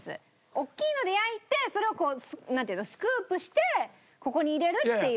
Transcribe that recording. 大きいので焼いてそれをスクープしてここに入れるっていう。